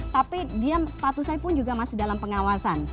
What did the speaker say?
tapi dia statusnya pun juga masih dalam pengawasan